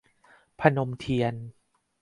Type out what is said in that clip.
พนมเทียน